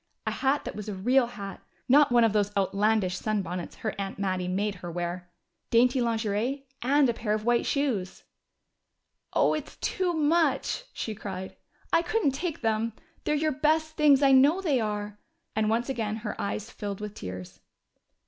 A hat that was a real hat not one of those outlandish sunbonnets her aunt Mattie made her wear! Dainty lingerie and a pair of white shoes! "Oh, it's too much!" she cried. "I couldn't take them! They're your best things I know they are." And once again her eyes filled with tears.